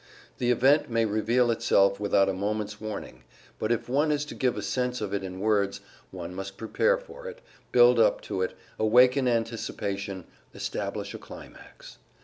The event may reveal itself without a moment's warning; but if one is to give a sense of it in words, one must prepare for it, build up to it, awaken anticipation, establish a climax.